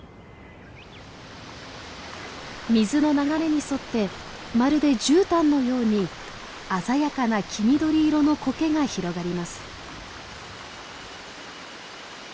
水の流れに沿ってまるでじゅうたんのように鮮やかな黄緑色のコケが広がります。